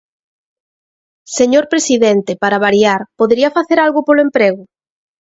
Señor presidente, para variar, ¿podería facer algo polo emprego?